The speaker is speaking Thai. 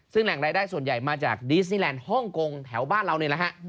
ซึ่งแหล่งรายได้ส่วนใหญ่มาจากดีสนิแลนด์ฮ่องกงแถวบ้านเรานี่แหละฮะ